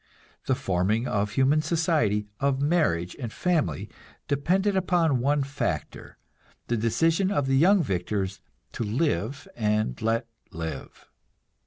The forming of human society, of marriage and the family, depended upon one factor, the decision of the young victors to live and let live.